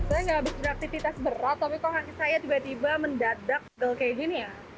saya tidak bisa beraktivitas berat tapi kok kaki saya tiba tiba mendadak pegal seperti ini ya